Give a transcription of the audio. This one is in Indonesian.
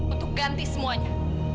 untuk ganti semuanya